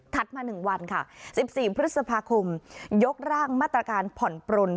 ถัดมาหนึ่งวันค่ะสิบสี่พฤษภาคมยกร่างมาตรการผ่อนปลลน